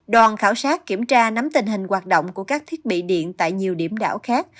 đoàn khảo sát kiểm tra nắm tình hình hoạt động của các thiết bị điện tại nhiều điểm đảo khác